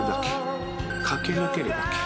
「かけぬけるだけ」